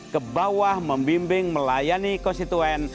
ke bawah membimbing melayani konstituen